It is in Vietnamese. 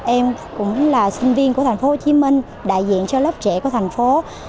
em cũng là sinh viên của thành phố hồ chí minh đại diện cho lớp trẻ của thành phố